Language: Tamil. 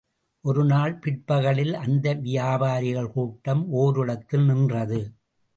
ஒருநாள் பிற்பகலில், அந்த வியாபாரிகள் கூட்டம், ஓரிடத்திலே நின்றது.